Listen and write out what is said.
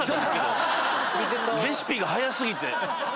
レシピが早過ぎて。